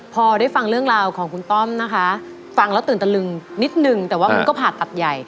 พอได้ฟังเรื่องราวของคุณต้อมนะคะฟังแล้วตื่นตะลึงนิดนึงแต่ว่ามันก็ผ่าตัดใหญ่